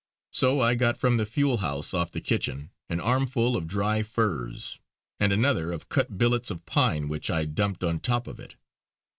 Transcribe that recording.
So I got from the fuel house off the kitchen an armful of dry furze and another of cut billets of pine which I dumped on top of it.